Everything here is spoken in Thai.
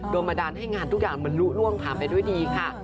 โดยมาด่านให้งานทุกอย่างมันรุ่นร่วงถามไปด้วยดีค่ะ